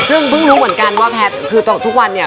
ซึ่งเพิ่งรู้เหมือนกันว่าแพทย์คือทุกวันเนี่ย